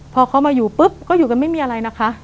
พอเขามาอยู่ปุ๊บก็อยู่กันไม่มีอะไรนะคะ